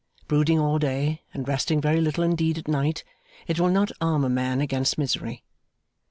Brooding all day, and resting very little indeed at night, will not arm a man against misery.